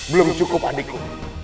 belum cukup adikku